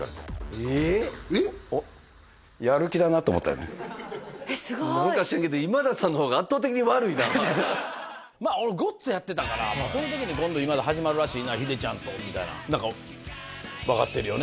おっえっすごい何か知らんけど俺「ごっつ」やってたからその時に「今度今田始まるらしいな秀ちゃんと」みたいな何か分かってるよね？